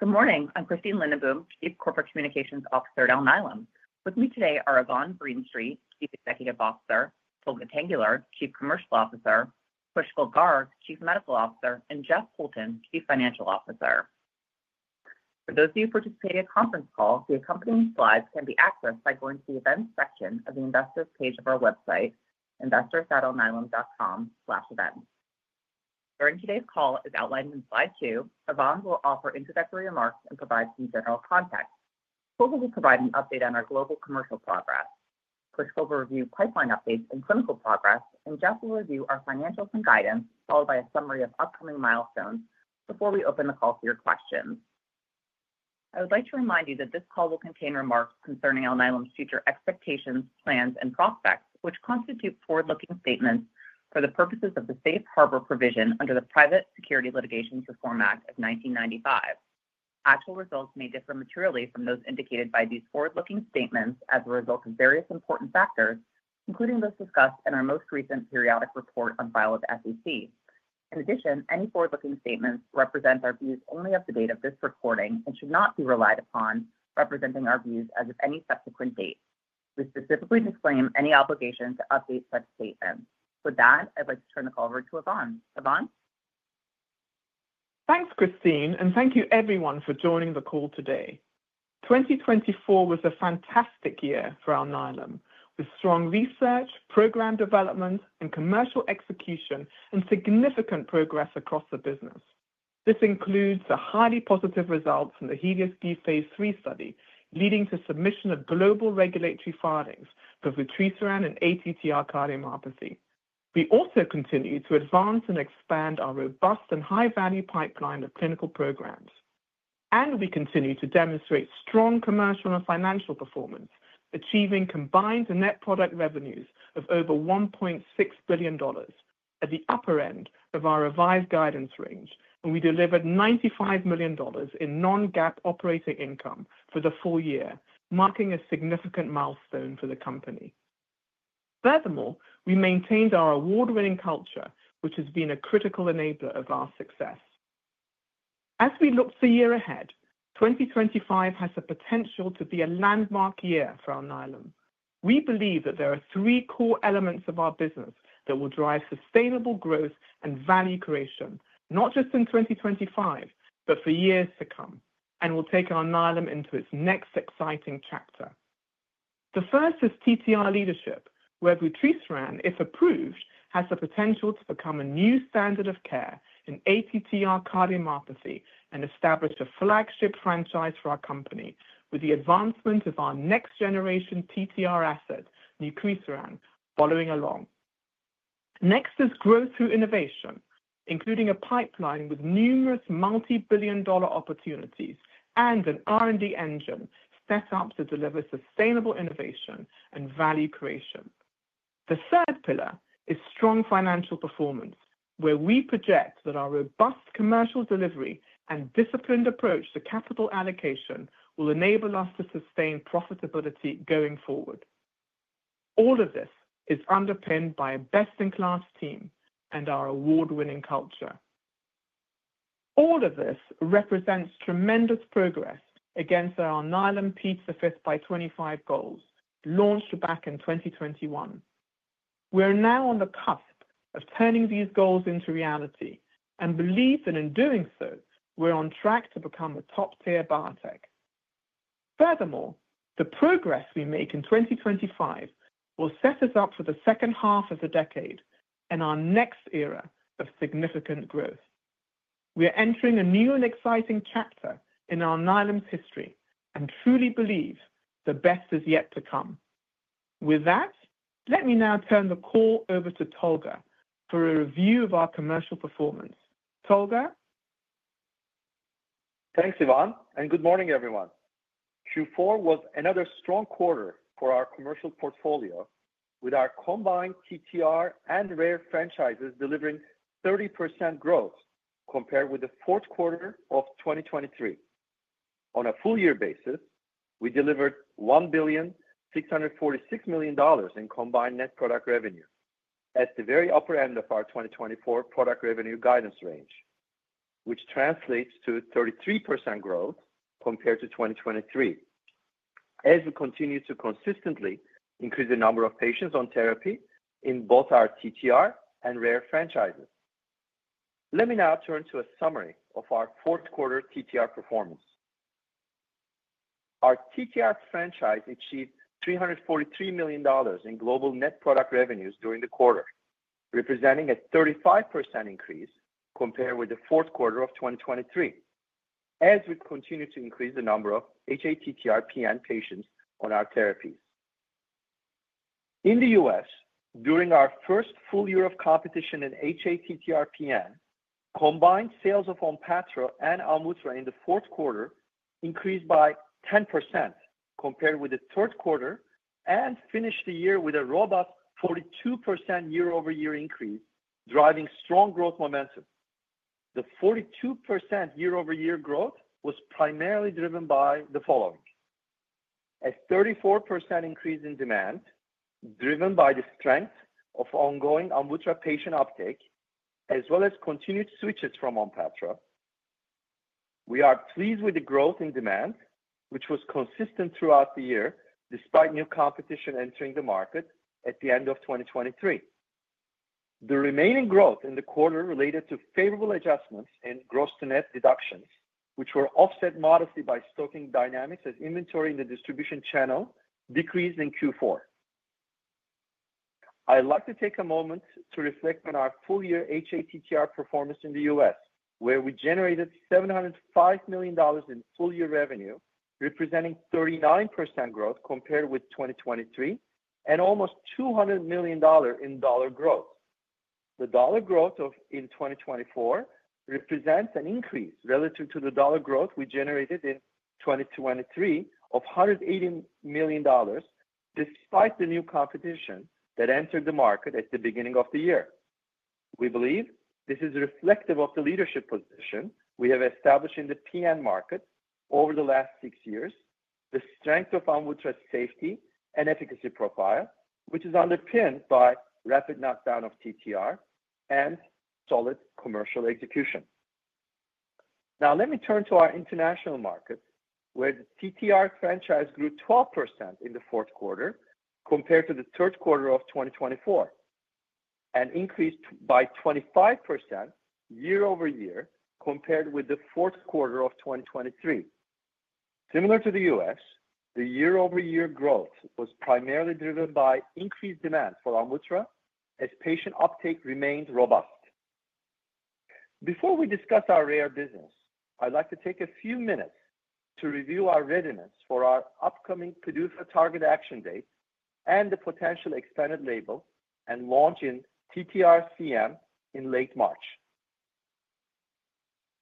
Good morning. I'm Christine Lindenboom, Chief Corporate Communications Officer at Alnylam. With me today are Yvonne Greenstreet, Chief Executive Officer, Tolga Tanguler, Chief Commercial Officer, Pushkal Garg, Chief Medical Officer, and Jeff Poulton, Chief Financial Officer. For those of you participating in conference calls, the accompanying slides can be accessed by going to the Events section of the Investors page of our website, investors.alnylam.com/events. During today's call, as outlined in Slide 2, Yvonne will offer introductory remarks and provide some general context. Tolga will provide an update on our global commercial progress. Pushkal will review pipeline updates and clinical progress, and Jeff will review our financials and guidance, followed by a summary of upcoming milestones before we open the call for your questions. I would like to remind you that this call will contain remarks concerning Alnylam's future expectations, plans, and prospects, which constitute forward-looking statements for the purposes of the Safe Harbor Provision under the Private Securities Litigation Reform Act of 1995. Actual results may differ materially from those indicated by these forward-looking statements as a result of various important factors, including those discussed in our most recent periodic report on file with the SEC. In addition, any forward-looking statements represent our views only as of the date of this recording and should not be relied upon as representing our views as of any subsequent date. We specifically disclaim any obligation to update such statements. With that, I'd like to turn the call over to Yvonne. Yvonne? Thanks, Christine, and thank you, everyone, for joining the call today. 2024 was a fantastic year for Alnylam, with strong research, program development, and commercial execution, and significant progress across the business. This includes the highly positive results from the HELIOS-B Phase III study, leading to submission of global regulatory filings for vutrisiran in ATTR-CM. We also continue to advance and expand our robust and high-value pipeline of clinical programs. We continue to demonstrate strong commercial and financial performance, achieving combined net product revenues of over $1.6 billion at the upper end of our revised guidance range, and we delivered $95 million in non-GAAP operating income for the full year, marking a significant milestone for the company. Furthermore, we maintained our award-winning culture, which has been a critical enabler of our success. As we look to the year ahead, 2025 has the potential to be a landmark year for Alnylam. We believe that there are three core elements of our business that will drive sustainable growth and value creation, not just in 2025, but for years to come, and will take Alnylam into its next exciting chapter. The first is TTR leadership, where vutrisiran, if approved, has the potential to become a new standard of care in ATTR cardiomyopathy and establish a flagship franchise for our company, with the advancement of our next-generation TTR asset, nucresiran, following along. Next is growth through innovation, including a pipeline with numerous multi-billion-dollar opportunities and an R&D engine set up to deliver sustainable innovation and value creation. The third pillar is strong financial performance, where we project that our robust commercial delivery and disciplined approach to capital allocation will enable us to sustain profitability going forward. All of this is underpinned by a best-in-class team and our award-winning culture. All of this represents tremendous progress against our Alnylam P5x25 goals, launched back in 2021. We are now on the cusp of turning these goals into reality, and believe that in doing so, we're on track to become a top-tier biotech. Furthermore, the progress we make in 2025 will set us up for the second half of the decade and our next era of significant growth. We are entering a new and exciting chapter in Alnylam's history, and truly believe the best is yet to come. With that, let me now turn the call over to Tolga for a review of our commercial performance. Tolga? Thanks, Yvonne, and good morning, everyone. Q4 was another strong quarter for our commercial portfolio, with our combined TTR and rare franchises delivering 30% growth compared with the Q4 of 2023. On a full-year basis, we delivered $1,646 million in combined net product revenue, at the very upper end of our 2024 product revenue guidance range, which translates to 33% growth compared to 2023, as we continue to consistently increase the number of patients on therapy in both our TTR and rare franchises. Let me now turn to a summary of our Q4 TTR performance. Our TTR franchise achieved $343 million in global net product revenues during the quarter, representing a 35% increase compared with the Q4 of 2023, as we continue to increase the number of hATTR-PN patients on our therapies. In the U.S., during our first full year of competition in hATTR-PN, combined sales of Onpattro and Amvuttra in the Q4 increased by 10% compared with the Q3 and finished the year with a robust 42% year-over-year increase, driving strong growth momentum. The 42% year-over-year growth was primarily driven by the following: a 34% increase in demand, driven by the strength of ongoing Amvuttra patient uptake, as well as continued switches from Onpattro. We are pleased with the growth in demand, which was consistent throughout the year, despite new competition entering the market at the end of 2023. The remaining growth in the quarter related to favorable adjustments in gross-to-net deductions, which were offset modestly by stocking dynamics as inventory in the distribution channel decreased in Q4. I'd like to take a moment to reflect on our full-year hATTR performance in the U.S., where we generated $705 million in full-year revenue, representing 39% growth compared with 2023, and almost $200 million in dollar growth. The dollar growth in 2024 represents an increase relative to the dollar growth we generated in 2023 of $180 million, despite the new competition that entered the market at the beginning of the year. We believe this is reflective of the leadership position we have established in the PN market over the last six years, the strength of Amvuttra's safety and efficacy profile, which is underpinned by rapid knockdown of TTR and solid commercial execution. Now, let me turn to our international markets, where the TTR franchise grew 12% in the Q4 compared to the Q3 of 2024, and increased by 25% year-over-year compared with the Q4 of 2023. Similar to the U.S., the year-over-year growth was primarily driven by increased demand for Amvuttra, as patient uptake remained robust. Before we discuss our rare business, I'd like to take a few minutes to review our readiness for our upcoming PDUFA target action date and the potential expanded label and launch in ATTR-CM in late March.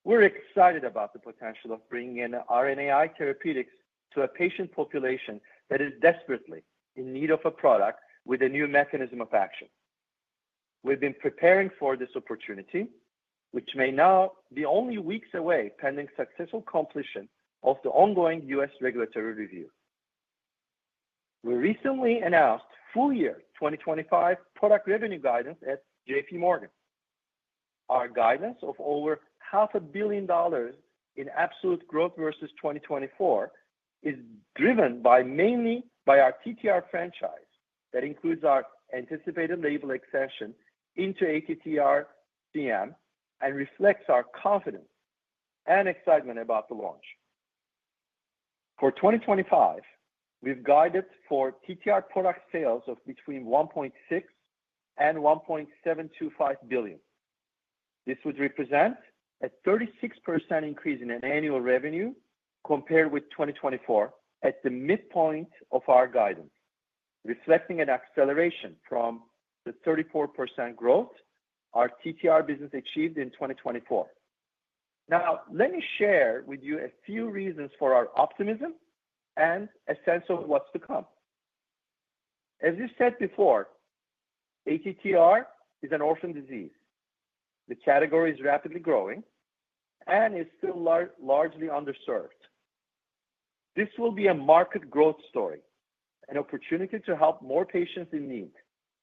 We're excited about the potential of bringing in RNAi therapeutics to a patient population that is desperately in need of a product with a new mechanism of action. We've been preparing for this opportunity, which may now be only weeks away pending successful completion of the ongoing U.S. regulatory review. We recently announced full-year 2025 product revenue guidance at JPMorgan. Our guidance of over $500 million in absolute growth versus 2024 is driven mainly by our TTR franchise that includes our anticipated label extension into ATTR-CM and reflects our confidence and excitement about the launch. For 2025, we've guided for TTR product sales of between $1.6 and $1.725 billion. This would represent a 36% increase in annual revenue compared with 2024 at the midpoint of our guidance, reflecting an acceleration from the 34% growth our TTR business achieved in 2024. Now, let me share with you a few reasons for our optimism and a sense of what's to come. As we've said before, ATTR is an orphan disease. The category is rapidly growing and is still largely underserved. This will be a market growth story, an opportunity to help more patients in need,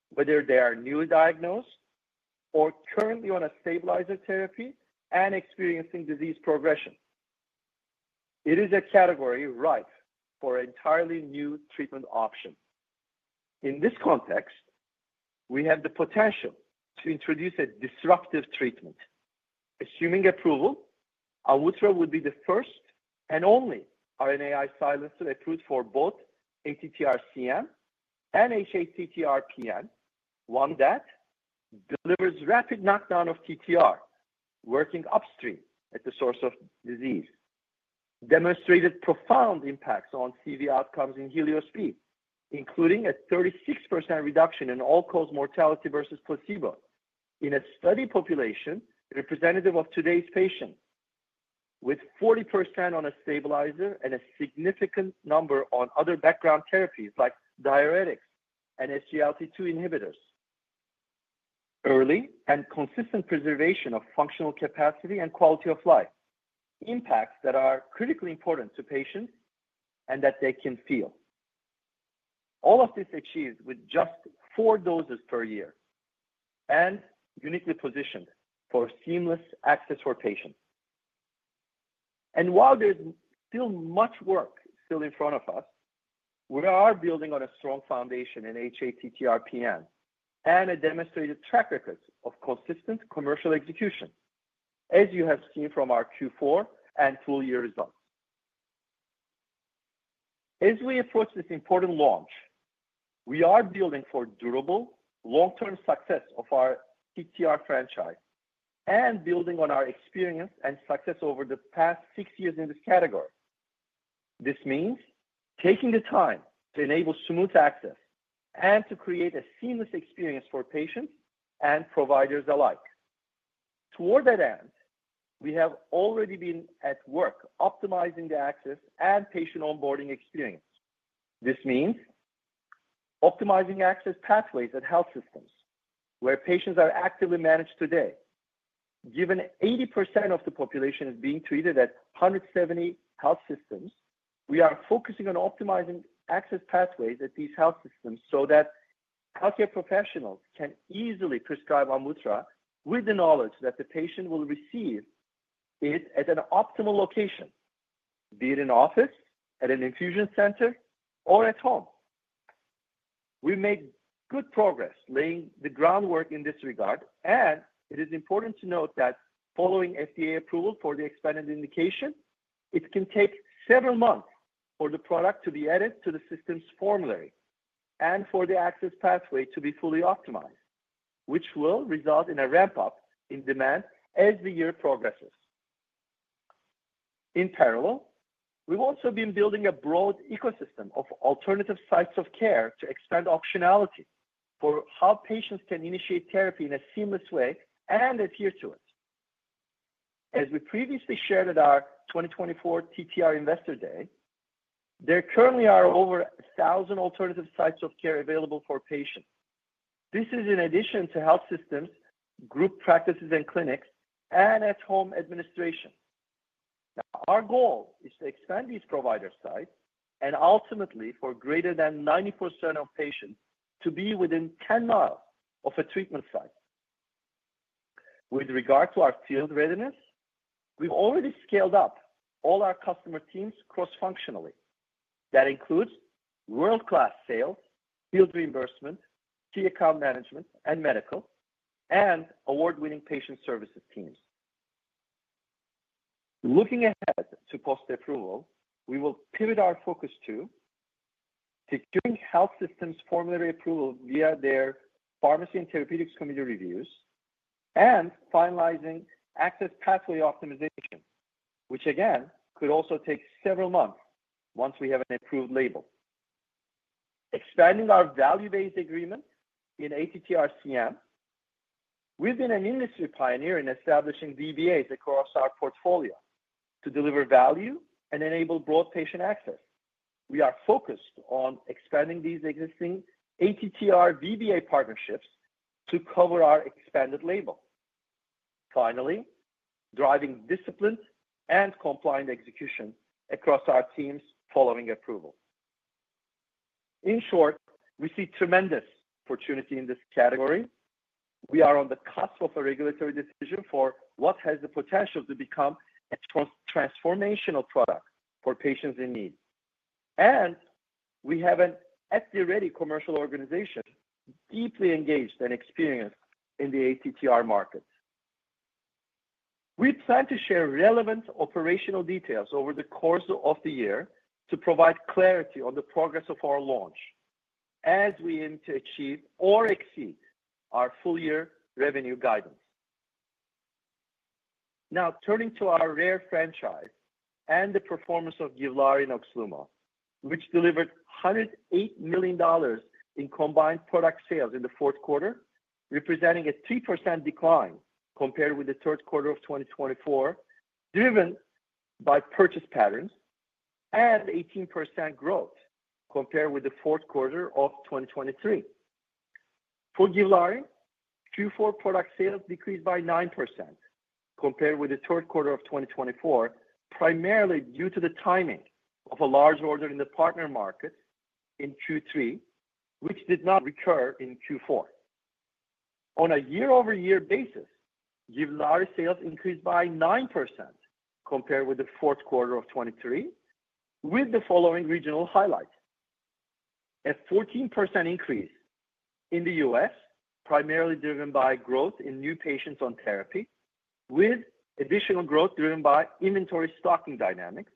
whether they are newly diagnosed or currently on a stabilizer therapy and experiencing disease progression. It is a category ripe for entirely new treatment options. In this context, we have the potential to introduce a disruptive treatment. Assuming approval, Amvuttra would be the first and only RNAi silencer approved for both ATTR-CM and hATTR-PN, one that delivers rapid knockdown of TTR, working upstream at the source of disease, demonstrated profound impacts on CV outcomes in HELIOS-B, including a 36% reduction in all-cause mortality versus placebo in a study population representative of today's patients, with 40% on a stabilizer and a significant number on other background therapies like diuretics and SGLT2 inhibitors. Early and consistent preservation of functional capacity and quality of life, impacts that are critically important to patients and that they can feel. All of this achieved with just four doses per year and uniquely positioned for seamless access for patients. And while there's still much work in front of us, we are building on a strong foundation in hATTR-PN and a demonstrated track record of consistent commercial execution, as you have seen from our Q4 and full-year results. As we approach this important launch, we are building for durable, long-term success of our TTR franchise and building on our experience and success over the past six years in this category. This means taking the time to enable smooth access and to create a seamless experience for patients and providers alike. Toward that end, we have already been at work optimizing the access and patient onboarding experience. This means optimizing access pathways at health systems where patients are actively managed today. Given 80% of the population is being treated at 170 health systems, we are focusing on optimizing access pathways at these health systems so that healthcare professionals can easily prescribe Amvuttra with the knowledge that the patient will receive it at an optimal location, be it in an office, at an infusion center, or at home. We make good progress laying the groundwork in this regard, and it is important to note that following FDA approval for the expanded indication, it can take several months for the product to be added to the system's formulary and for the access pathway to be fully optimized, which will result in a ramp-up in demand as the year progresses. In parallel, we've also been building a broad ecosystem of alternative sites of care to expand optionality for how patients can initiate therapy in a seamless way and adhere to it. As we previously shared at our 2024 TTR Investor Day, there currently are over 1,000 alternative sites of care available for patients. This is in addition to health systems, group practices and clinics, and at-home administration. Now, our goal is to expand these provider sites and ultimately, for greater than 90% of patients, to be within 10 miles of a treatment site. With regard to our field readiness, we've already scaled up all our customer teams cross-functionally. That includes world-class sales, field reimbursement, key account management, and medical and award-winning patient services teams. Looking ahead to post-approval, we will pivot our focus to securing health systems formulary approval via their pharmacy and therapeutics committee reviews and finalizing access pathway optimization, which, again, could also take several months once we have an approved label. Expanding our value-based agreement in ATTR-CM, we've been an industry pioneer in establishing VBAs across our portfolio to deliver value and enable broad patient access. We are focused on expanding these existing ATTR-CM VBA partnerships to cover our expanded label. Finally, driving disciplined and compliant execution across our teams following approval. In short, we see tremendous opportunity in this category. We are on the cusp of a regulatory decision for what has the potential to become a transformational product for patients in need. And we have an at-the-ready commercial organization deeply engaged and experienced in the ATTR market. We plan to share relevant operational details over the course of the year to provide clarity on the progress of our launch as we aim to achieve or exceed our full-year revenue guidance. Now, turning to our rare franchise and the performance of Givlaari Oxlumo, which delivered $108 million in combined product sales in the Q4, representing a 3% decline compared with the Q3 of 2024, driven by purchase patterns and 18% growth compared with the Q4 of 2023. For Givlaari, Q4 product sales decreased by 9% compared with the Q3 of 2024, primarily due to the timing of a large order in the partner markets in Q3, which did not recur in Q4. On a year-over-year basis, Givlaari sales increased by 9% compared with the Q4 of 2023, with the following regional highlights: a 14% increase in the US, primarily driven by growth in new patients on therapy, with additional growth driven by inventory stocking dynamics.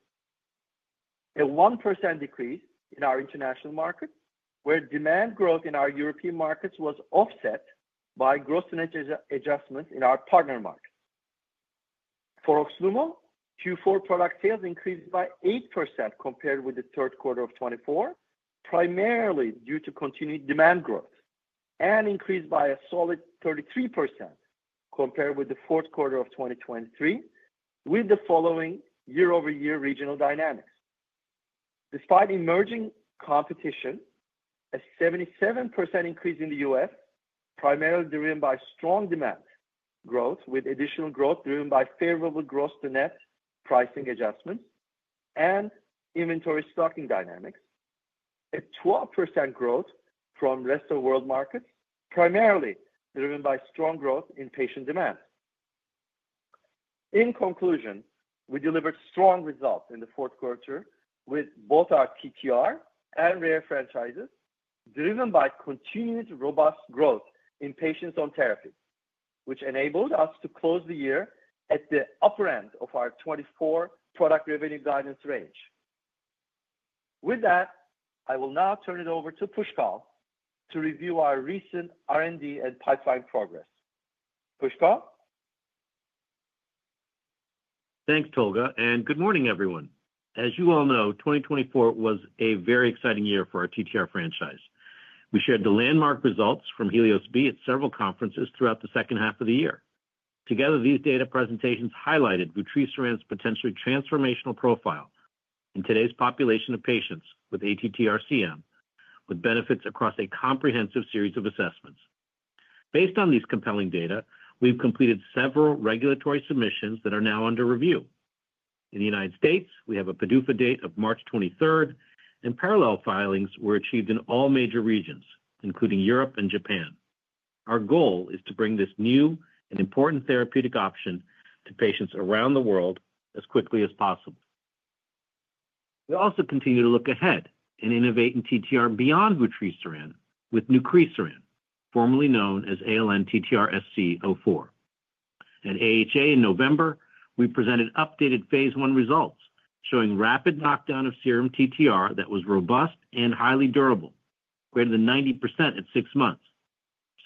A 1% decrease in our international markets, where demand growth in our European markets was offset by gross-to-net adjustments in our partner markets. For Oxlumo, Q4 product sales increased by 8% compared with the Q3 of 2024, primarily due to continued demand growth, and increased by a solid 33% compared with the Q4 of 2023, with the following year-over-year regional dynamics. Despite emerging competition, a 77% increase in the U.S., primarily driven by strong demand growth, with additional growth driven by favorable gross-to-net pricing adjustments and inventory stocking dynamics. A 12% growth from the rest of the world markets, primarily driven by strong growth in patient demand. In conclusion, we delivered strong results in the Q4 with both our TTR and rare franchises, driven by continued robust growth in patients on therapy, which enabled us to close the year at the upper end of our 2024 product revenue guidance range. With that, I will now turn it over to Pushkal to review our recent R&D and pipeline progress. Pushkal, thanks, Tolga, and good morning, everyone. As you all know, 2024 was a very exciting year for our TTR franchise. We shared the landmark results from HELIOS-B at several conferences throughout the second half of the year. Together, these data presentations highlighted vutrisiran's potentially transformational profile in today's population of patients with ATTR-CM, with benefits across a comprehensive series of assessments. Based on these compelling data, we've completed several regulatory submissions that are now under review. In the United States, we have a PDUFA date of March 23rd, and parallel filings were achieved in all major regions, including Europe and Japan. Our goal is to bring this new and important therapeutic option to patients around the world as quickly as possible. We also continue to look ahead and innovate in TTR beyond vutrisiran with nucresiran, formerly known as ALN-TTR-SC04. At AHA in November, we presented updated Phase I results showing rapid knockdown of serum TTR that was robust and highly durable, greater than 90% at six months,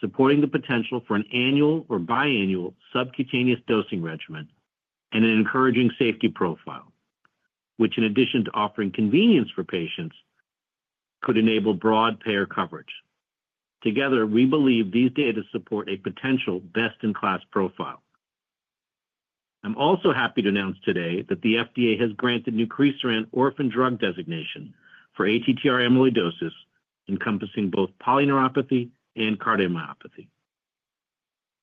supporting the potential for an annual or biannual subcutaneous dosing regimen and an encouraging safety profile, which, in addition to offering convenience for patients, could enable broad payer coverage. Together, we believe these data support a potential best-in-class profile. I'm also happy to announce today that the FDA has granted nucresiran orphan drug designation for ATTR amyloidosis, encompassing both polyneuropathy and cardiomyopathy.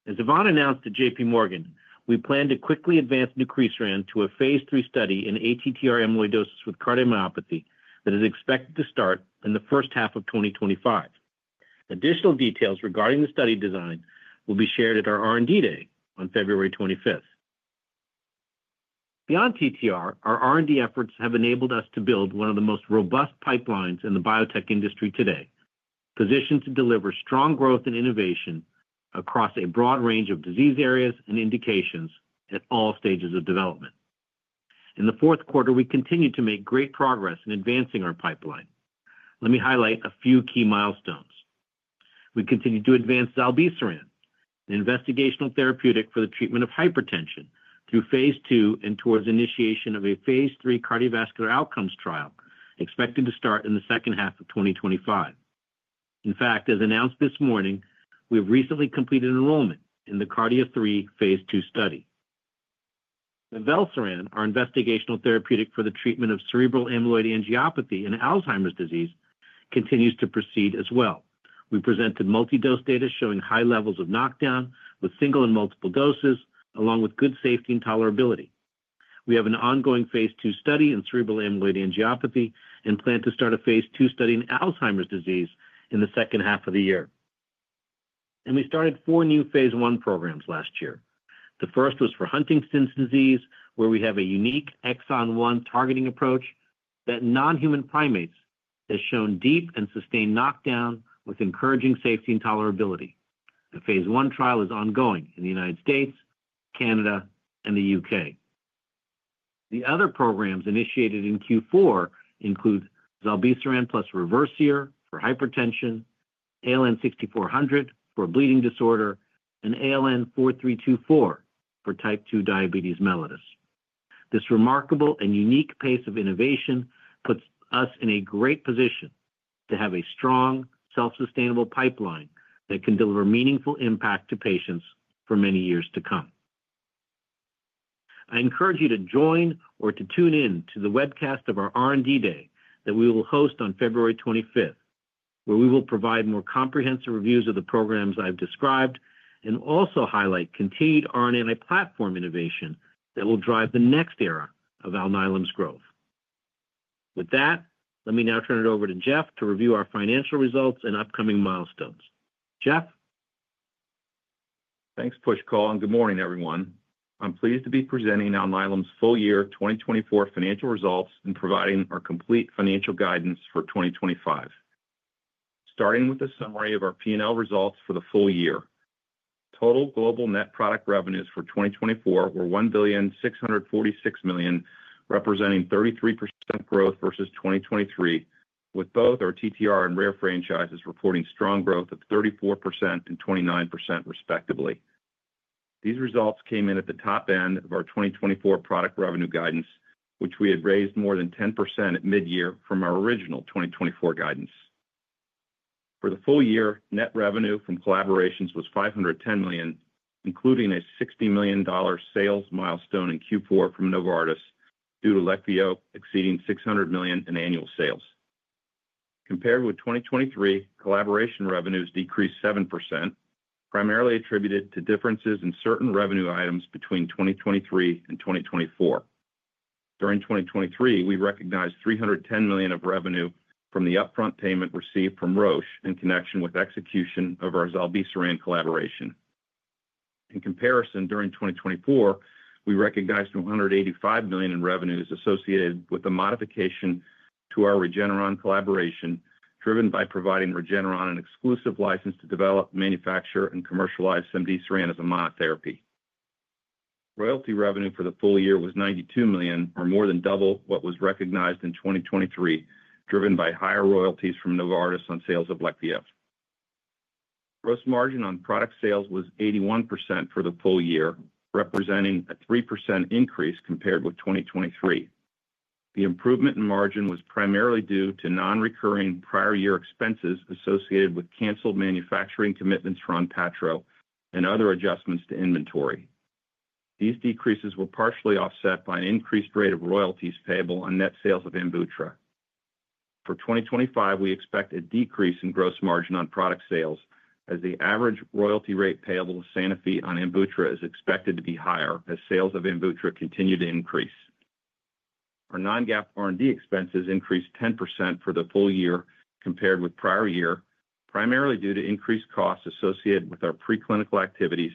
As Yvonne announced at JPMorgan, we plan to quickly advance nucresiran to a Phase III study in ATTR amyloidosis with cardiomyopathy that is expected to start in the first half of 2025. Additional details regarding the study design will be shared at our R&D day on February 25th. Beyond TTR, our R&D efforts have enabled us to build one of the most robust pipelines in the biotech industry today, positioned to deliver strong growth and innovation across a broad range of disease areas and indications at all stages of development. In the Q4, we continue to make great progress in advancing our pipeline. Let me highlight a few key milestones. We continue to advance zilebesiran, an investigational therapeutic for the treatment of hypertension, through Phase II and towards initiation of a Phase III cardiovascular outcomes trial expected to start in the second half of 2025. In fact, as announced this morning, we have recently completed enrollment in the KARDIA-3 Phase II study. mivalaplad, our investigational therapeutic for the treatment of cerebral amyloid angiopathy and Alzheimer's disease, continues to proceed as well. We presented multi-dose data showing high levels of knockdown with single and multiple doses, along with good safety and tolerability. We have an ongoing Phase II study in cerebral amyloid angiopathy and plan to start a Phase II study in Alzheimer's disease in the second half of the year. And we started four new Phase I programs last year. The first was for Huntington's disease, where we have a unique exon one targeting approach that non-human primates has shown deep and sustained knockdown with encouraging safety and tolerability. The Phase I trial is ongoing in the United States, Canada, and the U.K. The other programs initiated in Q4 include zilebesiran plus Reversir for hypertension, ALN-6400 for a bleeding disorder, and ALN-4324 for type 2 diabetes mellitus. This remarkable and unique pace of innovation puts us in a great position to have a strong, self-sustainable pipeline that can deliver meaningful impact to patients for many years to come. I encourage you to join or to tune in to the webcast of our R&D Day that we will host on February 25th, where we will provide more comprehensive reviews of the programs I've described and also highlight continued R&D and platform innovation that will drive the next era of Alnylam's growth. With that, let me now turn it over to Jeff to review our financial results and upcoming milestones. Jeff? Thanks, Pushkal, and good morning, everyone. I'm pleased to be presenting Alnylam's full-year 2024 financial results and providing our complete financial guidance for 2025. Starting with a summary of our P&L results for the full year, total global net product revenues for 2024 were $1,646 million, representing 33% growth versus 2023, with both our TTR and rare franchises reporting strong growth of 34% and 29%, respectively. These results came in at the top end of our 2024 product revenue guidance, which we had raised more than 10% at mid-year from our original 2024 guidance. For the full year, net revenue from collaborations was $510 million, including a $60 million sales milestone in Q4 from Novartis due to Leqvio exceeding $600 million in annual sales. Compared with 2023, collaboration revenues decreased 7%, primarily attributed to differences in certain revenue items between 2023 and 2024. During 2023, we recognized $310 million of revenue from the upfront payment received from Roche in connection with execution of our zilebesiran collaboration. In comparison, during 2024, we recognized $185 million in revenues associated with a modification to our Regeneron collaboration, driven by providing Regeneron an exclusive license to develop, manufacture, and commercialize cemdisiran as a monotherapy. Royalty revenue for the full year was $92 million, or more than double what was recognized in 2023, driven by higher royalties from Novartis on sales of Leqvio. Gross margin on product sales was 81% for the full year, representing a 3% increase compared with 2023. The improvement in margin was primarily due to non-recurring prior year expenses associated with canceled manufacturing commitments for Onpattro and other adjustments to inventory. These decreases were partially offset by an increased rate of royalties payable on net sales of Amvuttra. For 2025, we expect a decrease in gross margin on product sales, as the average royalty rate payable to Sanofi on Amvuttra is expected to be higher as sales of Amvuttra continue to increase. Our non-GAAP R&D expenses increased 10% for the full year compared with prior year, primarily due to increased costs associated with our preclinical activities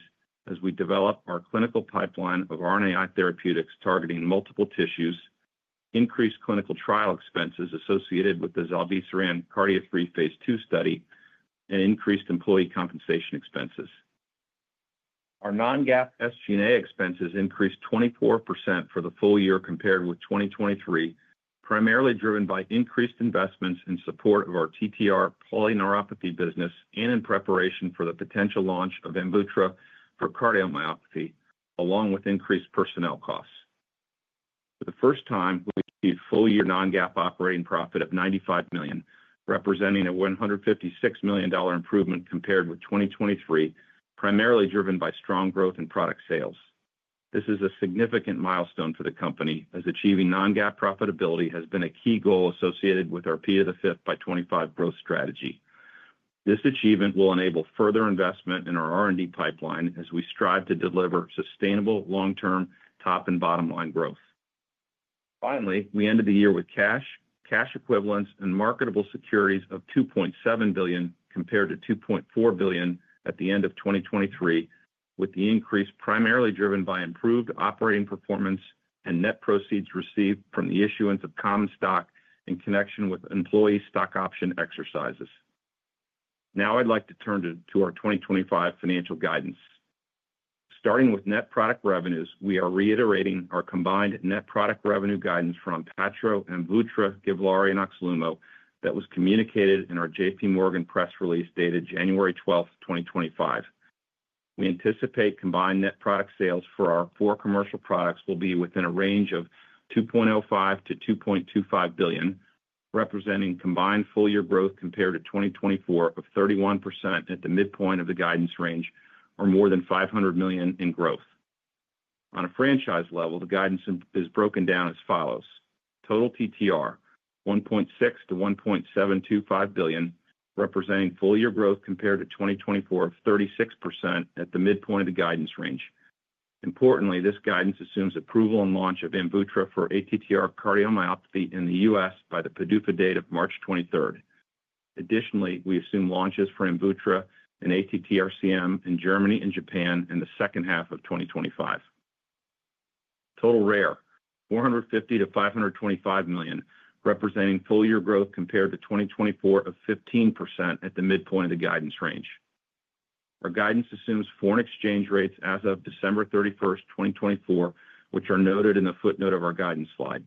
as we develop our clinical pipeline of RNAi therapeutics targeting multiple tissues, increased clinical trial expenses associated with the zilebesiran KARDIA-3 Phase II study, and increased employee compensation expenses. Our non-GAAP SG&A expenses increased 24% for the full year compared with 2023, primarily driven by increased investments in support of our TTR polyneuropathy business and in preparation for the potential launch of Amvuttra for cardiomyopathy, along with increased personnel costs. For the first time, we achieved full-year non-GAAP operating profit of $95 million, representing a $156 million improvement compared with 2023, primarily driven by strong growth in product sales. This is a significant milestone for the company, as achieving non-GAAP profitability has been a key goal associated with our P5x25 growth strategy. This achievement will enable further investment in our R&D pipeline as we strive to deliver sustainable long-term top and bottom line growth. Finally, we ended the year with cash, cash equivalents, and marketable securities of $2.7 billion compared to $2.4 billion at the end of 2023, with the increase primarily driven by improved operating performance and net proceeds received from the issuance of common stock in connection with employee stock option exercises. Now I'd like to turn to our 2025 financial guidance. Starting with net product revenues, we are reiterating our combined net product revenue guidance from Onpattro, Amvuttra, Givlaari, and Oxlumo that was communicated in our JPMorgan press release dated January 12th, 2025. We anticipate combined net product sales for our four commercial products will be within a range of $2.05-$2.25 billion, representing combined full-year growth compared to 2024 of 31% at the midpoint of the guidance range, or more than $500 million in growth. On a franchise level, the guidance is broken down as follows: total TTR $1.6-$1.725 billion, representing full-year growth compared to 2024 of 36% at the midpoint of the guidance range. Importantly, this guidance assumes approval and launch of Amvuttra for ATTR cardiomyopathy in the U.S. by the PDUFA date of March 23rd. Additionally, we assume launches for Amvuttra and ATTR CM in Germany and Japan in the second half of 2025. Total rare $450-$525 million, representing full-year growth compared to 2024 of 15% at the midpoint of the guidance range. Our guidance assumes foreign exchange rates as of December 31st, 2024, which are noted in the footnote of our guidance slide.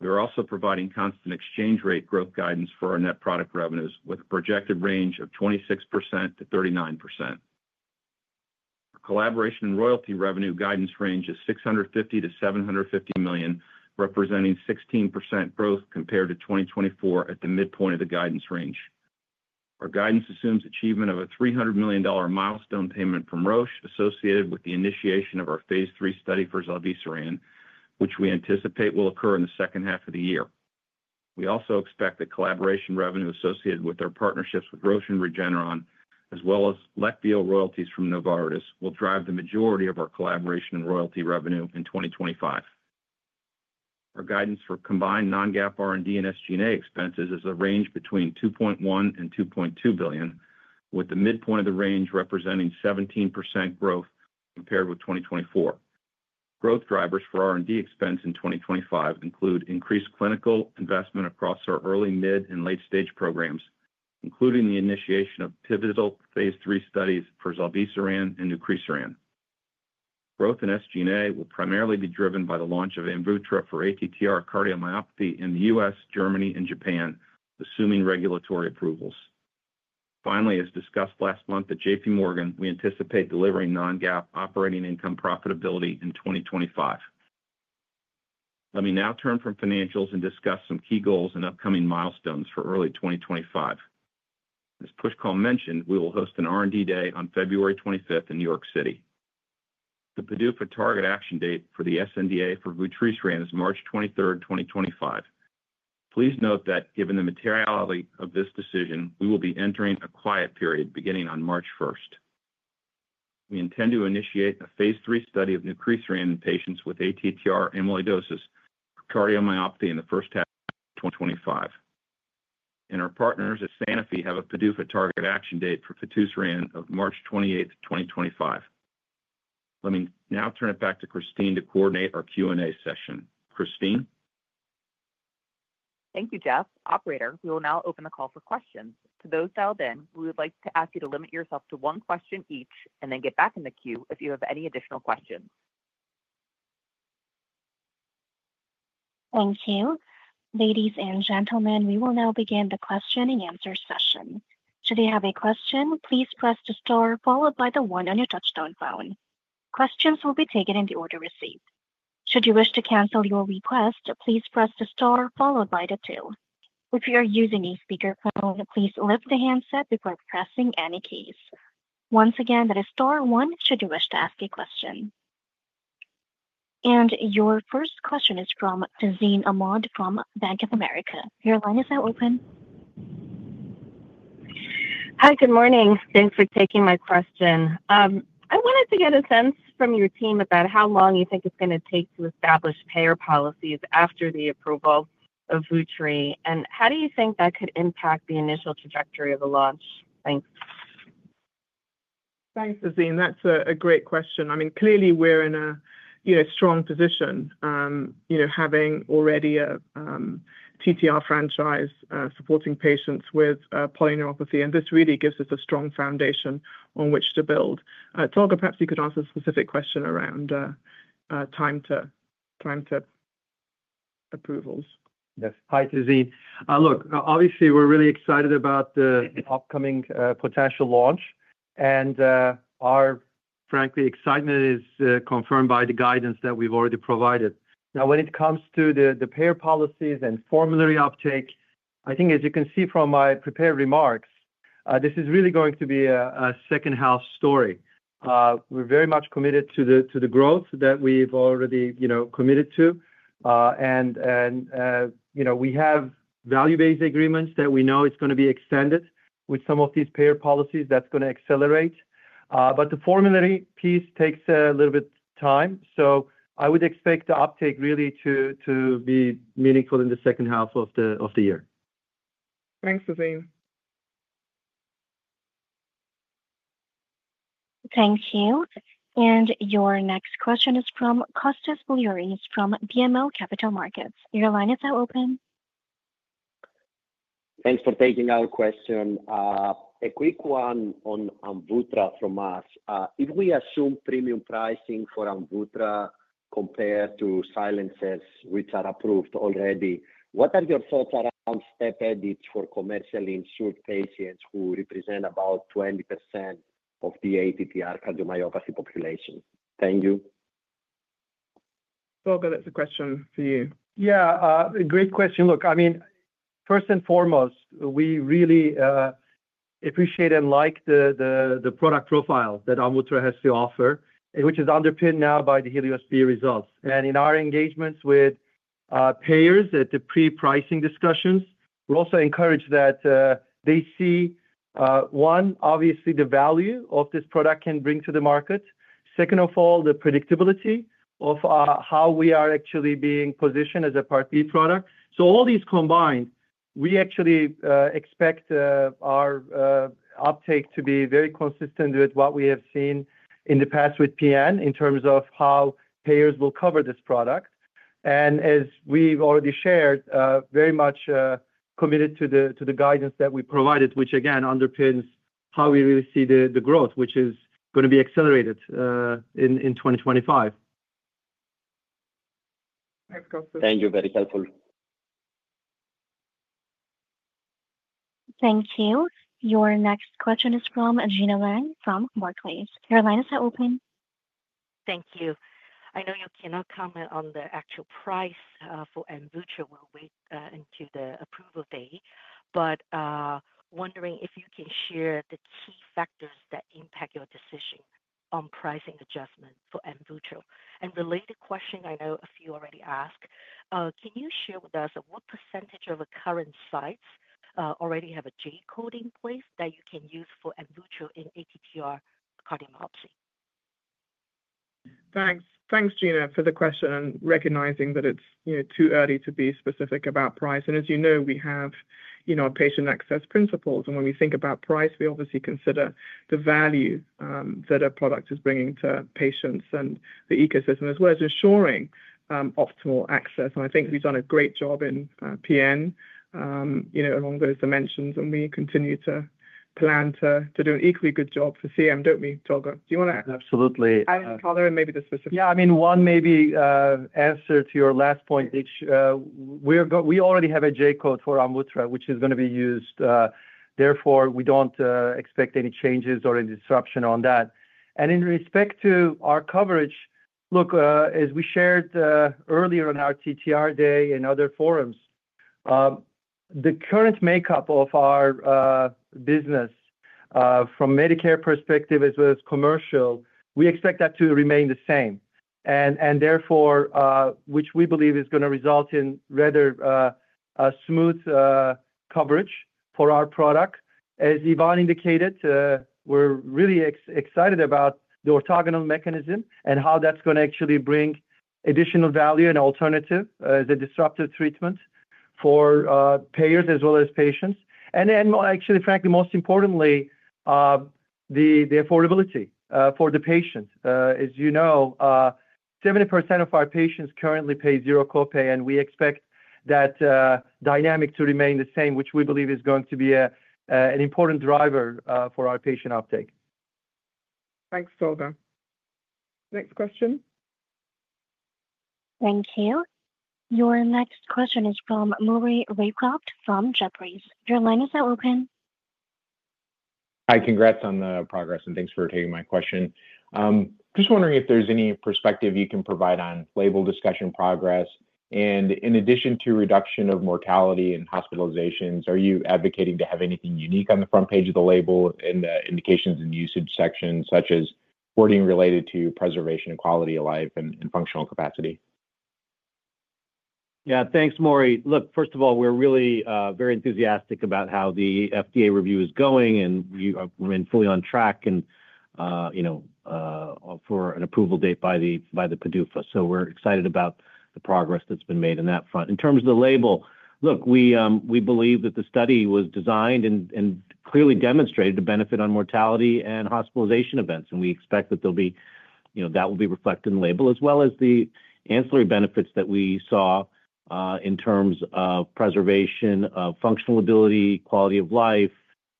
We are also providing constant exchange rate growth guidance for our net product revenues, with a projected range of 26%-39%. Our collaboration and royalty revenue guidance range is $650-$750 million, representing 16% growth compared to 2024 at the midpoint of the guidance range. Our guidance assumes achievement of a $300 million milestone payment from Roche associated with the initiation of our Phase III study for zilebesiran, which we anticipate will occur in the second half of the year. We also expect that collaboration revenue associated with our partnerships with Roche and Regeneron, as well as Leqvio royalties from Novartis, will drive the majority of our collaboration and royalty revenue in 2025. Our guidance for combined non-GAAP R&D and SG&A expenses is a range between $2.1-$2.2 billion, with the midpoint of the range representing 17% growth compared with 2024. Growth drivers for R&D expense in 2025 include increased clinical investment across our early, mid, and late-stage programs, including the initiation of pivotal Phase III studies for zilebesiran and nucresiran. Growth in SG&A will primarily be driven by the launch of Amvuttra for ATTR cardiomyopathy in the U.S., Germany, and Japan, assuming regulatory approvals. Finally, as discussed last month at JPMorgan, we anticipate delivering non-GAAP operating income profitability in 2025. Let me now turn from financials and discuss some key goals and upcoming milestones for early 2025. As Pushkal mentioned, we will host an R&D day on February 25th in New York City. The PDUFA target action date for the SNDA for vutrisiran is March 23rd, 2025. Please note that given the materiality of this decision, we will be entering a quiet period beginning on March 1st. We intend to initiate a Phase III study of nucresiran in patients with ATTR amyloidosis for cardiomyopathy in the first half of 2025, and our partners at Sanofi have a PDUFA target action date for vutrisiran of March 28th, 2025. Let me now turn it back to Christine to coordinate our Q&A session. Christine? Thank you, Jeff. Operator, we will now open the call for questions. To those dialed in, we would like to ask you to limit yourself to one question each and then get back in the queue if you have any additional questions. Thank you. Ladies and gentlemen, we will now begin the question and answer session. Should you have a question, please press the star followed by the one on your touchstone phone. Questions will be taken in the order received. Should you wish to cancel your request, please press the star followed by the two. If you are using a speakerphone, please lift the handset before pressing any keys. Once again, that is star one should you wish to ask a question. And your first question is from Tazeen Ahmad from Bank of America. Your line is now open. Hi, good morning. Thanks for taking my question. I wanted to get a sense from your team about how long you think it's going to take to establish payer policies after the approval of vutrisiran. And how do you think that could impact the initial trajectory of the launch? Thanks. Thanks, Tazeen. That's a great question. I mean, clearly, we're in a strong position, having already a TTR franchise supporting patients with polyneuropathy. And this really gives us a strong foundation on which to build. Tolga, perhaps you could answer a specific question around time to approvals. Yes. Hi, Tazeen. Look, obviously, we're really excited about the upcoming potential launch. And our, frankly, excitement is confirmed by the guidance that we've already provided. Now, when it comes to the payer policies and formulary uptake, I think, as you can see from my prepared remarks, this is really going to be a second-half story. We're very much committed to the growth that we've already committed to. And we have value-based agreements that we know it's going to be extended with some of these payer policies. That's going to accelerate. But the formulary piece takes a little bit of time. So I would expect the uptake really to be meaningful in the second half of the year. Thanks, Tazeen. Thank you. And your next question is from Kostas Biliouris from BMO Capital Markets. Your line is now open. Thanks for taking our question. A quick one on Amvuttra from us. If we assume premium pricing for Amvuttra compared to stabilizers, which are approved already, what are your thoughts around step edits for commercially insured patients who represent about 20% of the ATTR cardiomyopathy population? Thank you. Tolga, that's a question for you. Yeah, great question. Look, I mean, first and foremost, we really appreciate and like the product profile that Amvuttra has to offer, which is underpinned now by the HELIOS-B results. And in our engagements with payers at the pre-pricing discussions, we also encourage that they see, one, obviously, the value of this product can bring to the market. Second of all, the predictability of how we are actually being positioned as a Part B product. So all these combined, we actually expect our uptake to be very consistent with what we have seen in the past with PN in terms of how payers will cover this product. And as we've already shared, very much committed to the guidance that we provided, which, again, underpins how we really see the growth, which is going to be accelerated in 2025. Thank you. Thank you. Very helpful. Thank you. Your next question is from Gena Wang from Barclays. Your line is now open. Thank you. I know you cannot comment on the actual price for Amvuttra. We'll wait until the approval date. But wondering if you can share the key factors that impact your decision on pricing adjustment for Amvuttra. And related question, I know a few already asked. Can you share with us what percentage of current sites already have a J-code in place that you can use for Amvuttra in ATTR cardiomyopathy? Thanks. Thanks, Gena, for the question and recognizing that it's too early to be specific about price. And as you know, we have patient access principles. And when we think about price, we obviously consider the value that a product is bringing to patients and the ecosystem, as well as ensuring optimal access. And I think we've done a great job in PN along those dimensions. And we continue to plan to do an equally good job for CM. Don't we, Tolga? Do you want to add? Absolutely. And maybe the specific. Yeah, I mean, one maybe answer to your last point, which we already have a J-code for Amvuttra, which is going to be used. Therefore, we don't expect any changes or any disruption on that. And in respect to our coverage, look, as we shared earlier on our TTR day and other forums, the current makeup of our business from Medicare perspective as well as commercial, we expect that to remain the same. And therefore, which we believe is going to result in rather smooth coverage for our product. As Yvonne indicated, we're really excited about the orthogonal mechanism and how that's going to actually bring additional value and alternative as a disruptive treatment for payers as well as patients. And actually, frankly, most importantly, the affordability for the patients. As you know, 70% of our patients currently pay zero copay. And we expect that dynamic to remain the same, which we believe is going to be an important driver for our patient uptake. Thanks, Tazeen. Next question. Thank you. Your next question is from Maury Raycroft from Jefferies. Your line is now open. Hi. Congrats on the progress. And thanks for taking my question. Just wondering if there's any perspective you can provide on label discussion progress. And in addition to reduction of mortality and hospitalizations, are you advocating to have anything unique on the front page of the label in the indications and usage section, such as wording related to preservation and quality of life and functional capacity? Yeah, thanks, Maury. Look, first of all, we're really very enthusiastic about how the FDA review is going. And we remain fully on track for an approval date by the PDUFA. So we're excited about the progress that's been made in that front. In terms of the label, look, we believe that the study was designed and clearly demonstrated a benefit on mortality and hospitalization events. And we expect that that will be reflected in the label, as well as the ancillary benefits that we saw in terms of preservation of functional ability, quality of life,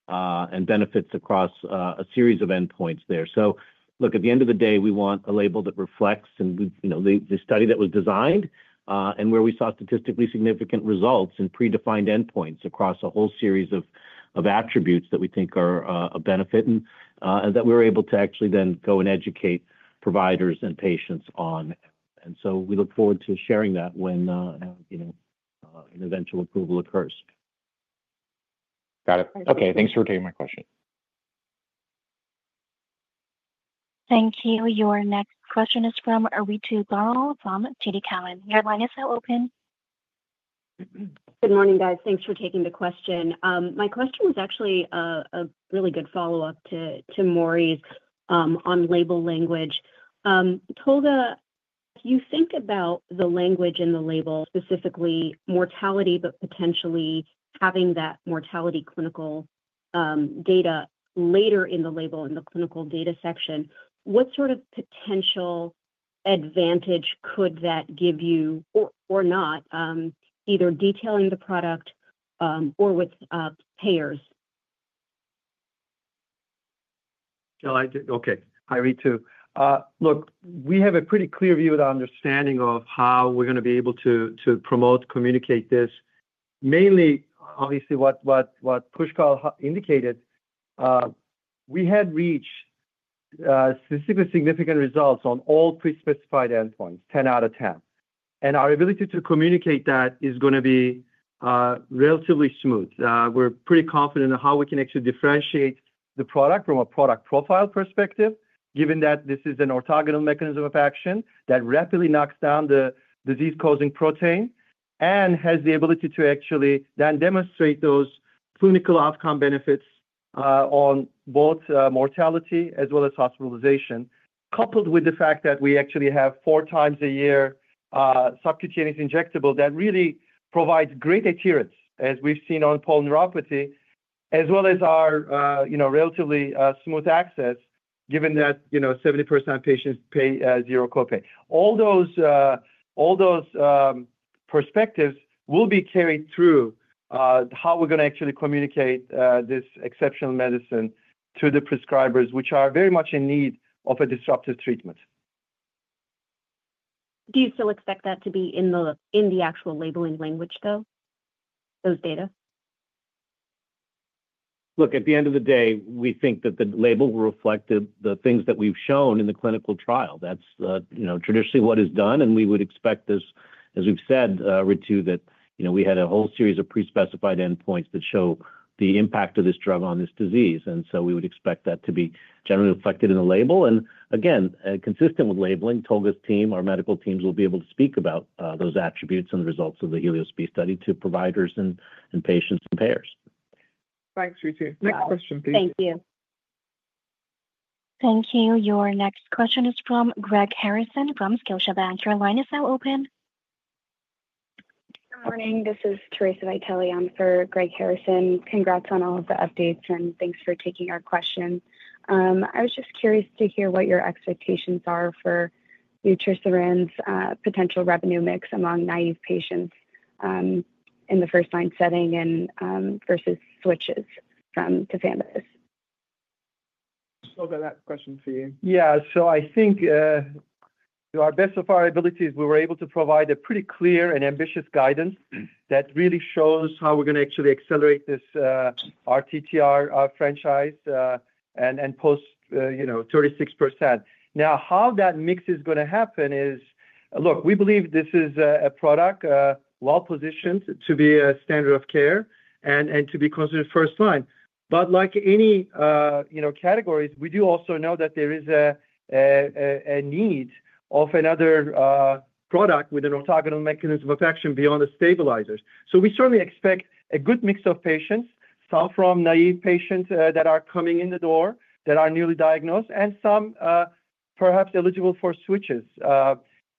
and benefits across a series of endpoints there. So look, at the end of the day, we want a label that reflects the study that was designed and where we saw statistically significant results in predefined endpoints across a whole series of attributes that we think are a benefit and that we were able to actually then go and educate providers and patients on. And so we look forward to sharing that when an eventual approval occurs. Got it. Okay. Thanks for taking my question. Thank you. Your next question is from Ritu Baral from TD Cowen. Your line is now open. Good morning, guys. Thanks for taking the question. My question was actually a really good follow-up to Maury's on label language. Tolga, if you think about the language in the label, specifically mortality, but potentially having that mortality clinical data later in the label in the clinical data section, what sort of potential advantage could that give you or not, either detailing the product or with payers? Okay. Hi, Ritu. Look, we have a pretty clear view and understanding of how we're going to be able to promote and communicate this. Mainly, obviously, what Pushkal indicated, we had reached statistically significant results on all pre-specified endpoints, 10 out of 10, and our ability to communicate that is going to be relatively smooth. We're pretty confident in how we can actually differentiate the product from a product profile perspective, given that this is an orthogonal mechanism of action that rapidly knocks down the disease-causing protein and has the ability to actually then demonstrate those clinical outcome benefits on both mortality as well as hospitalization, coupled with the fact that we actually have four times a year subcutaneous injectable that really provides great adherence, as we've seen on polyneuropathy, as well as our relatively smooth access, given that 70% of patients pay zero copay. All those perspectives will be carried through how we're going to actually communicate this exceptional medicine to the prescribers, which are very much in need of a disruptive treatment. Do you still expect that to be in the actual labeling language, though, those data? Look, at the end of the day, we think that the label will reflect the things that we've shown in the clinical trial. That's traditionally what is done. And we would expect this, as we've said, Amvuttra, that we had a whole series of pre-specified endpoints that show the impact of this drug on this disease. And so we would expect that to be generally reflected in the label. And again, consistent with labeling, Tolga's team, our medical teams will be able to speak about those attributes and the results of the HELIOS-B study to providers and patients and payers. Thanks, Amvuttra. Next question, please. Thank you. Thank you. Your next question is from Greg Harrison from Scotiabank. Your line is now open. Good morning. This is Teresa Vitale. I'm for Greg Harrison. Congrats on all of the updates. And thanks for taking our question. I was just curious to hear what your expectations are for nucresiran's potential revenue mix among naive patients in the first-line setting versus switches from tafamidis. I'll go to that question for you. Yeah. So I think to the best of our abilities, we were able to provide a pretty clear and ambitious guidance that really shows how we're going to actually accelerate this ATTR franchise and post 36%. Now, how that mix is going to happen is, look, we believe this is a product well-positioned to be a standard of care and to be considered first-line. But like any categories, we do also know that there is a need of another product with an orthogonal mechanism of action beyond the stabilizers. So we certainly expect a good mix of patients, some from naive patients that are coming in the door, that are newly diagnosed, and some perhaps eligible for switches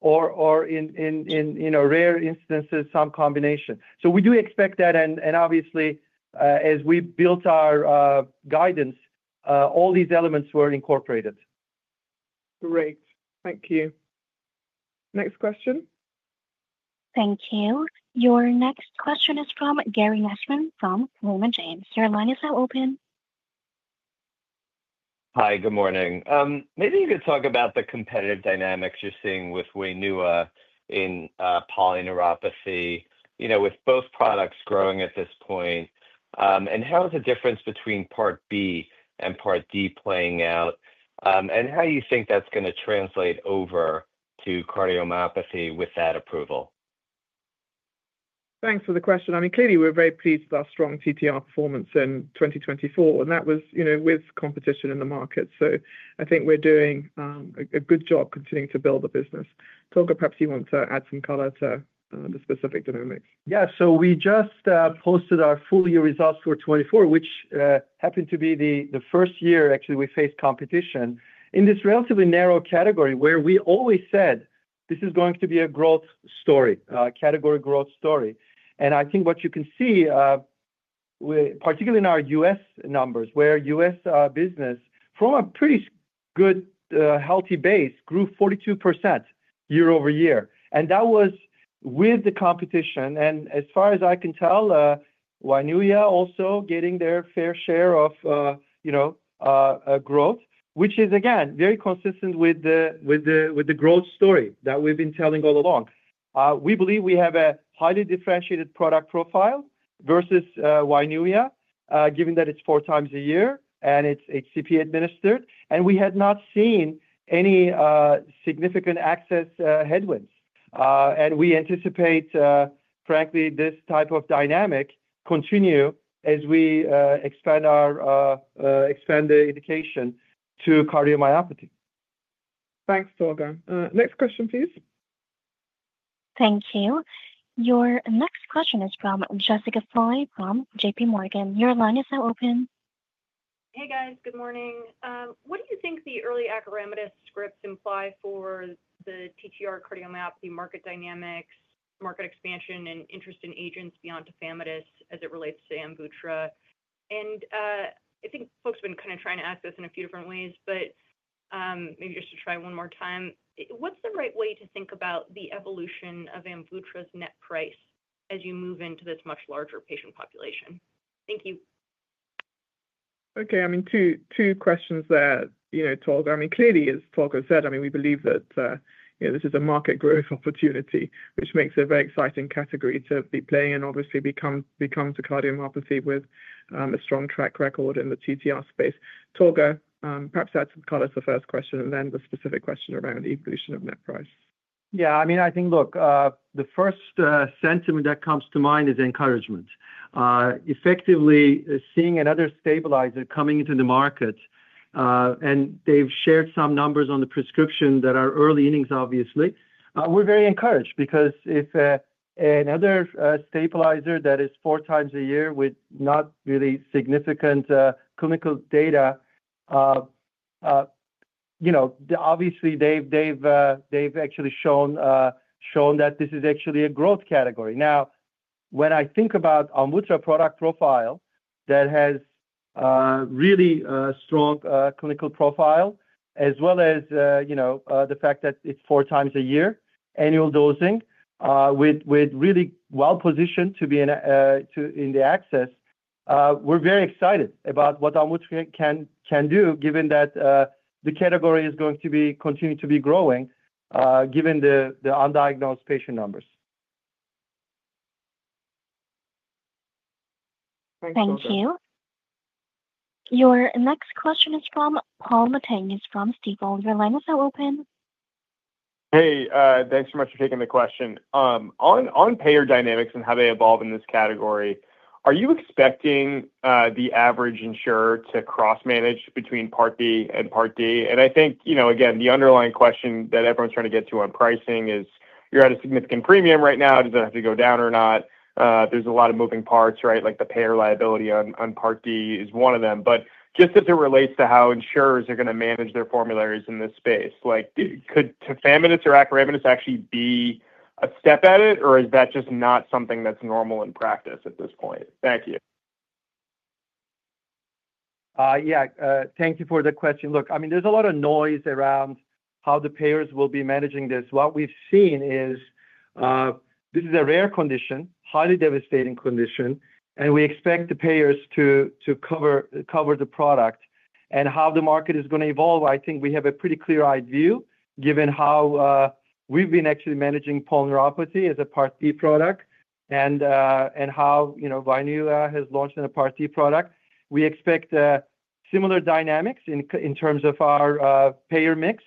or, in rare instances, some combination. So we do expect that. And obviously, as we built our guidance, all these elements were incorporated. Great. Thank you. Next question. Thank you. Your next question is from Gary Nachman from Raymond James. Your line is now open. Hi. Good morning. Maybe you could talk about the competitive dynamics you're seeing with Wainua in polyneuropathy with both products growing at this point. And how is the difference between Part B and Part D playing out? And how do you think that's going to translate over to cardiomyopathy with that approval? Thanks for the question. I mean, clearly, we're very pleased with our strong TTR performance in 2024. And that was with competition in the market. So I think we're doing a good job continuing to build the business. Tolga, perhaps you want to add some color to the specific dynamics. Yeah. So we just posted our full-year results for 2024, which happened to be the first year, actually, we faced competition in this relatively narrow category where we always said this is going to be a growth story, category growth story. And I think what you can see, particularly in our U.S. numbers, where U.S. business from a pretty good healthy base grew 42% year over year. And that was with the competition. And as far as I can tell, Wainua also getting their fair share of growth, which is, again, very consistent with the growth story that we've been telling all along. We believe we have a highly differentiated product profile versus Wainua given that it's four times a year and it's HCP administered. And we had not seen any significant access headwinds. And we anticipate, frankly, this type of dynamic continue as we expand the indication to cardiomyopathy. Thanks, Tazeen. Next question, please. Thank you. Your next question is from Jessica Fye from JPMorgan. Your line is now open. Hey, guys. Good morning. What do you think the early acoramidis scripts imply for the TTR cardiomyopathy market dynamics, market expansion, and interest in agents beyond tafamidis as it relates to Amvuttra? And I think folks have been kind of trying to ask this in a few different ways. But maybe just to try one more time, what's the right way to think about the evolution of Amvuttra's net price as you move into this much larger patient population? Thank you. Okay. I mean, two questions there, Tolga. I mean, clearly, as Tolga said, I mean, we believe that this is a market growth opportunity, which makes it a very exciting category to be playing and obviously become to cardiomyopathy with a strong track record in the TTR space. Tolga, perhaps add some color to the first question and then the specific question around the evolution of net price. Yeah. I mean, I think, look, the first sentiment that comes to mind is encouragement. Effectively seeing another stabilizer coming into the market, and they've shared some numbers on the prescription that are early innings, obviously, we're very encouraged because if another stabilizer that is four times a year with not really significant clinical data, obviously, they've actually shown that this is actually a growth category. Now, when I think about Amvuttra product profile that has really strong clinical profile, as well as the fact that it's four times a year, annual dosing with really well-positioned to be in the access, we're very excited about what Amvuttra can do, given that the category is going to continue to be growing given the undiagnosed patient numbers. Thank you. Your next question is from Paul Matteis from Stifel. Your line is now open. Hey. Thanks so much for taking the question. On payer dynamics and how they evolve in this category, are you expecting the average insurer to cross-manage between Part B and Part D? And I think, again, the underlying question that everyone's trying to get to on pricing is, you're at a significant premium right now. Does it have to go down or not? There's a lot of moving parts, right? The payer liability on Part D is one of them. But just as it relates to how insurers are going to manage their formularies in this space, could tafamidis or acoramidis actually be a step at it? Or is that just not something that's normal in practice at this point? Thank you. Yeah. Thank you for the question. Look, I mean, there's a lot of noise around how the payers will be managing this. What we've seen is this is a rare condition, highly devastating condition. And we expect the payers to cover the product. And how the market is going to evolve, I think we have a pretty clear-eyed view given how we've been actually managing polyneuropathy as a Part B product and how Wainua has launched a Part D product. We expect similar dynamics in terms of our payer mix.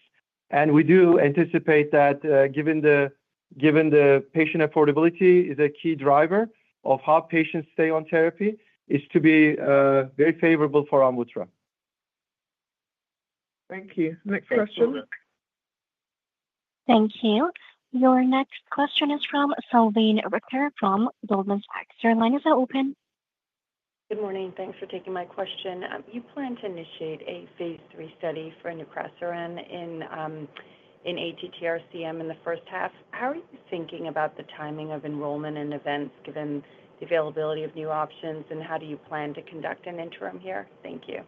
And we do anticipate that given the patient affordability is a key driver of how patients stay on therapy, it's to be very favorable for Amvuttra. Thank you. Next question. Thank you. Your next question is from Salveen Richter from Goldman Sachs. Your line is now open. Good morning. Thanks for taking my question. You plan to initiate a Phase III study for Nucresiran in ATTR-CM in the first half. How are you thinking about the timing of enrollment and events given the availability of new options? And how do you plan to conduct an interim here? Thank you.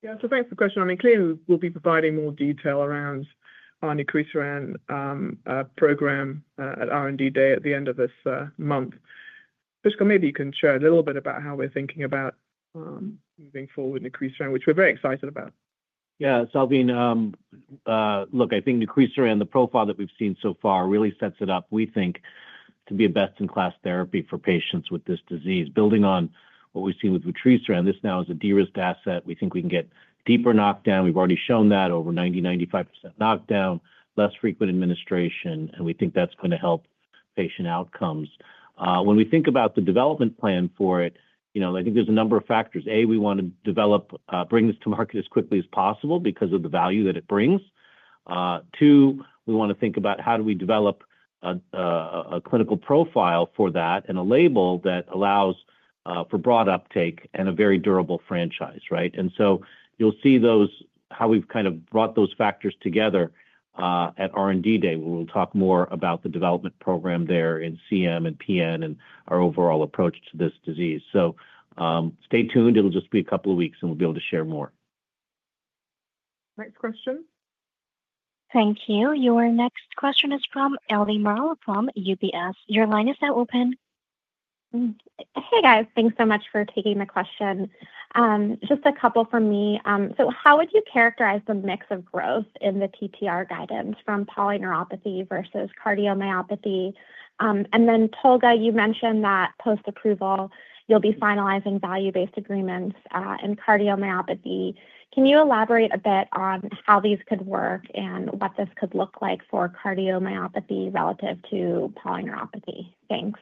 Yeah. So thanks for the question. I mean, clearly, we'll be providing more detail around our Nucresiran program at R&D Day at the end of this month. Pushkal, maybe you can share a little bit about how we're thinking about moving forward with Nucresiran, which we're very excited about. Yeah. Salveen, look, I think nucresiran, the profile that we've seen so far, really sets it up, we think, to be a best-in-class therapy for patients with this disease. Building on what we've seen with nucresiran, this now is a de-risked asset. We think we can get deeper knockdown. We've already shown that over 90%-95% knockdown, less frequent administration, and we think that's going to help patient outcomes. When we think about the development plan for it, I think there's a number of factors. A, we want to bring this to market as quickly as possible because of the value that it brings. Two, we want to think about how do we develop a clinical profile for that and a label that allows for broad uptake and a very durable franchise, right, and so you'll see how we've kind of brought those factors together at R&D Day. We'll talk more about the development program there in CM and PN and our overall approach to this disease. So stay tuned. It'll just be a couple of weeks, and we'll be able to share more. Next question. Thank you. Your next question is from Ellie Merle from UBS. Your line is now open. Hey, guys. Thanks so much for taking the question. Just a couple from me. So how would you characterize the mix of growth in the TTR guidance from polyneuropathy versus cardiomyopathy? And then, Tolga, you mentioned that post-approval, you'll be finalizing value-based agreements in cardiomyopathy. Can you elaborate a bit on how these could work and what this could look like for cardiomyopathy relative to polyneuropathy? Thanks.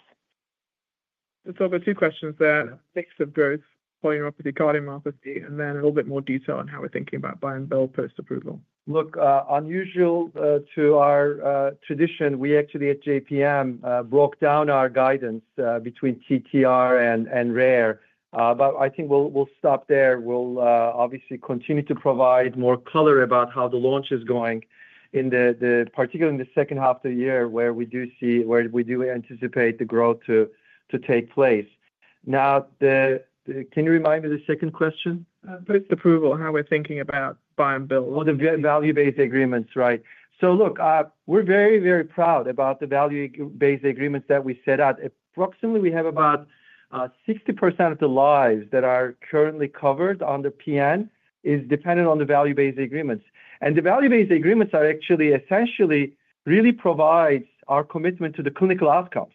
So there are two questions there. Mix of growth, polyneuropathy, cardiomyopathy, and then a little bit more detail on how we're thinking about buy-and-bill post-approval. Look, unusual to our tradition, we actually at JPM broke down our guidance between TTR and rare. But I think we'll stop there. We'll obviously continue to provide more color about how the launch is going, particularly in the second half of the year where we do anticipate the growth to take place. Now, can you remind me of the second question? Post-approval, how we're thinking about buy-and-bill. Or the value-based agreements, right? So look, we're very, very proud about the value-based agreements that we set out. Approximately, we have about 60% of the lives that are currently covered under PN is dependent on the value-based agreements. And the value-based agreements are actually essentially really provide our commitment to the clinical outcomes.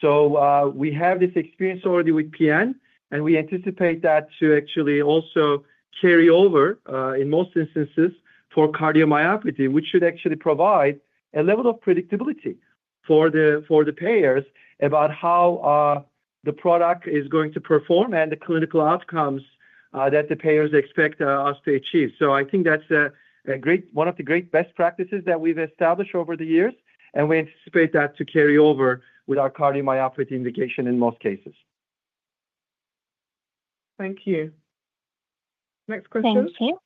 So we have this experience already with PN, and we anticipate that to actually also carry over in most instances for cardiomyopathy, which should actually provide a level of predictability for the payers about how the product is going to perform and the clinical outcomes that the payers expect us to achieve. So I think that's one of the great best practices that we've established over the years. And we anticipate that to carry over with our cardiomyopathy indication in most cases. Thank you. Next question. Thank you.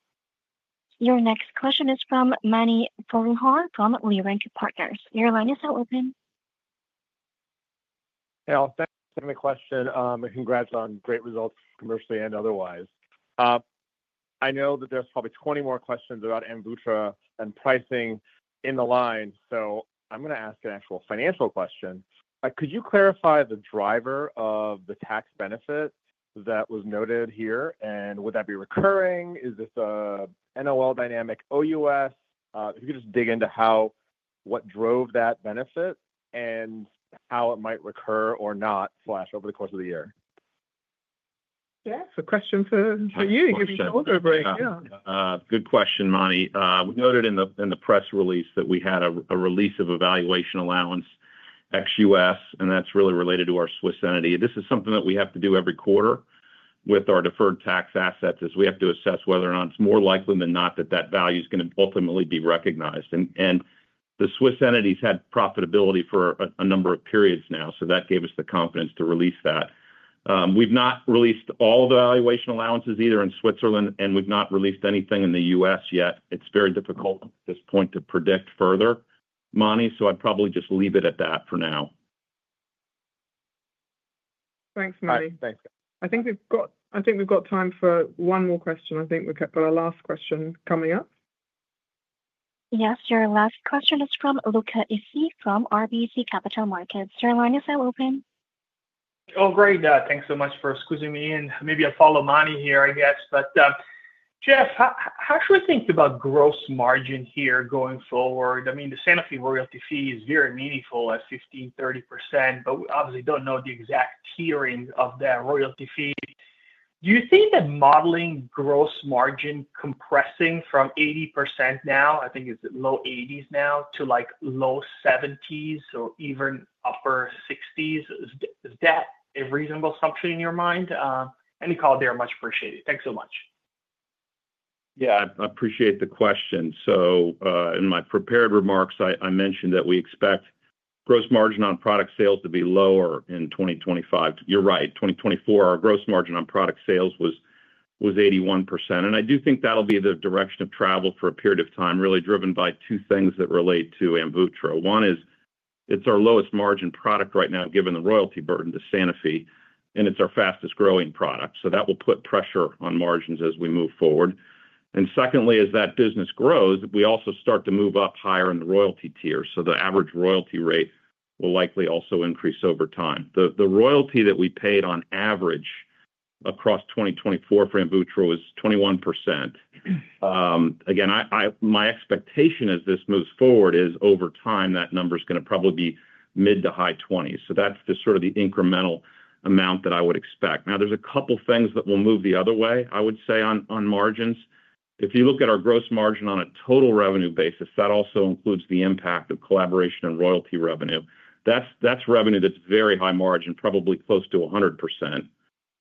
Your next question is from Mani Foroohar from Leerink Partners. Your line is now open. Yeah. Thanks for the question. Congrats on great results commercially and otherwise. I know that there's probably 20 more questions about Amvuttra and pricing in the line. So I'm going to ask an actual financial question. Could you clarify the driver of the tax benefit that was noted here? And would that be recurring? Is this an NOL dynamic OUS? If you could just dig into what drove that benefit and how it might recur or not over the course of the year. Yeah. It's a question for you. Give your shoulder break. Yeah. Good question, Mani. We noted in the press release that we had a release of valuation allowance ex-US, and that's really related to our Swiss entity. This is something that we have to do every quarter with our deferred tax assets as we have to assess whether or not it's more likely than not that that value is going to ultimately be recognized. And the Swiss entities had profitability for a number of periods now. So that gave us the confidence to release that. We've not released all the valuation allowances either in Switzerland, and we've not released anything in the U.S. yet. It's very difficult at this point to predict further, Mani. So I'd probably just leave it at that for now. Thanks, Mani. Thanks. I think we've got time for one more question. I think we've got our last question coming up. Yes. Your last question is from Luca Issi from RBC Capital Markets. Your line is now open. Oh, great. Thanks so much for squeezing me in. Maybe I'll follow Mani here, I guess. But Jeff, how should we think about gross margin here going forward? I mean, the Sanofi royalty fee is very meaningful at 15%-30%, but we obviously don't know the exact tiering of that royalty fee. Do you think that modeling gross margin compressing from 80% now, I think it's low 80s% now, to low 70s% or even upper 60s%? Is that a reasonable assumption in your mind? Any comment there? Much appreciated. Thanks so much. Yeah. I appreciate the question. So in my prepared remarks, I mentioned that we expect gross margin on product sales to be lower in 2025. You're right. 2024, our gross margin on product sales was 81%. And I do think that'll be the direction of travel for a period of time, really driven by two things that relate to Amvuttra. One is it's our lowest margin product right now given the royalty burden to Sanofi, and it's our fastest-growing product. So that will put pressure on margins as we move forward. And secondly, as that business grows, we also start to move up higher in the royalty tier. So the average royalty rate will likely also increase over time. The royalty that we paid on average across 2024 for Amvuttra was 21%. Again, my expectation as this moves forward is over time, that number is going to probably be mid- to high-20s%. So that's just sort of the incremental amount that I would expect. Now, there's a couple of things that will move the other way, I would say, on margins. If you look at our gross margin on a total revenue basis, that also includes the impact of collaboration and royalty revenue. That's revenue that's very high margin, probably close to 100%.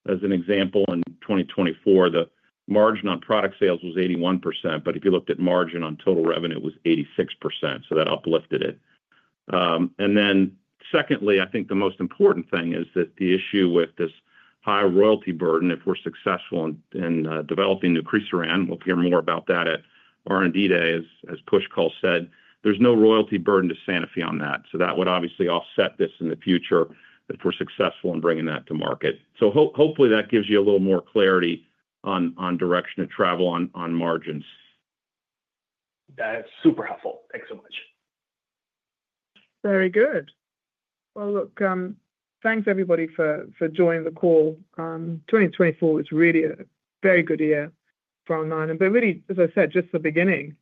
As an example, in 2024, the margin on product sales was 81%. But if you looked at margin on total revenue, it was 86%. So that uplifted it. And then, secondly, I think the most important thing is that the issue with this high royalty burden, if we're successful in developing nucresiran, we'll hear more about that at R&D Day, as Pushkal said. There's no royalty burden to Sanofi on that. So that would obviously offset this in the future if we're successful in bringing that to market. So hopefully, that gives you a little more clarity on direction of travel on margins. That's super helpful. Thanks so much. Very good. Well, look, thanks, everybody, for joining the call. 2024 is really a very good year for Alnylam. But really, as I said, just the beginning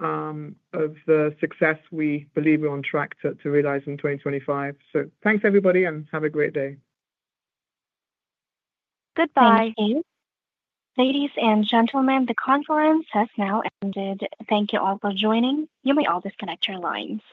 of the success we believe we're on track to realize in 2025. So thanks, everybody, and have a great day. Goodbye. Thank you. Ladies and gentlemen, the conference has now ended. Thank you all for joining. You may all disconnect your lines.